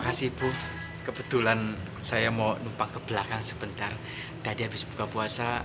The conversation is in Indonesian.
kasih bu kebetulan saya mau numpang ke belakang sebentar tadi habis buka puasa